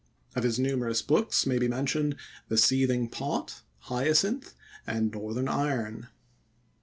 Of his numerous books may be mentioned The Seething Pot, Hyacinth, and Northern Iron.